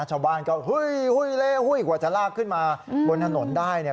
ชาวบ้านก็หุ้ยเล่หุ้ยกว่าจะลากขึ้นมาบนถนนได้เนี่ย